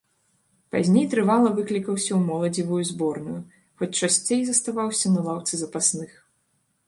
Пазней трывала выклікаўся ў моладзевую зборную, хоць часцей заставаўся на лаўцы запасных.